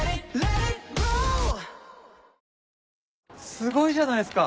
すごいじゃないっすか！